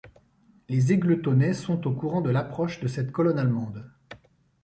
Les Égletonnais sont au courant de l’approche de cette colonne allemande.